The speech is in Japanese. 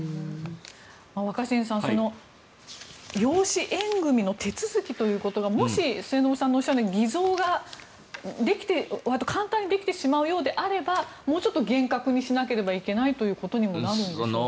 若新さん養子縁組の手続きということがもし末延さんがおっしゃるように簡単に偽造ができてしまうようであればもうちょっと厳格にしなければいけないということになるんでしょうかね。